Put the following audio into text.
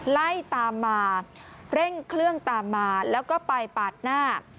ไล่ตามมาเร่งเครื่องตามมาแล้วก็ไปปาดหน้า